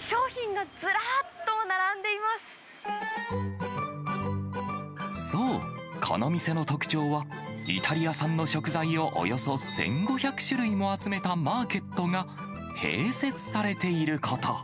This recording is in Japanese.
商品がずらーっと並んでいまそう、この店の特徴は、イタリア産の食材をおよそ１５００種類も集めたマーケットが、併設されていること。